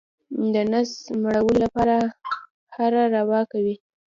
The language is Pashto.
د نس مړولو لپاره هره روا کوي.